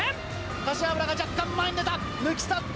柏原が若干、前に出た、抜き去った。